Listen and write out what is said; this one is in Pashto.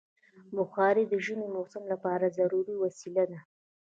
بخاري د ژمي موسم لپاره ضروري وسیله ده.